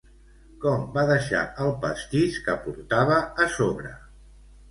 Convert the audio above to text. Com va deixar el pastís que portava a sobre?